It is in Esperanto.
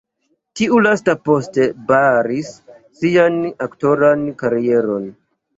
Tiu lasta poste baris sian aktoran karieron.